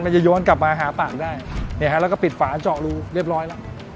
จะย้อนกลับมาหาปากได้แล้วก็ปิดฝาเจาะรูเรียบร้อยแล้ว